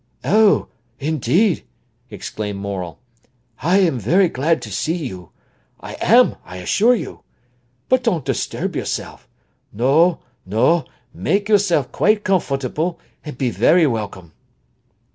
"Oh, indeed!" exclaimed Morel. "I am very glad to see you—I am, I assure you. But don't disturb yourself. No, no make yourself quite comfortable, and be very welcome."